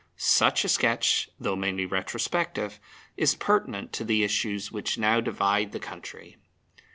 Such a sketch, though mainly retrospective, is pertinent to the issues which now divide the country.